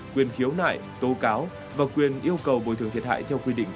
quyền khiếu nải tô cáo và quyền yêu cầu bồi thường thiệt hại theo quy định